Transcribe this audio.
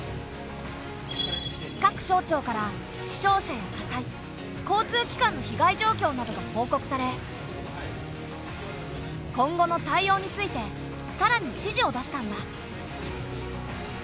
各省庁から死傷者や火災交通機関の被害状況などが報告され今後の対応についてさらに指示を出したんだ。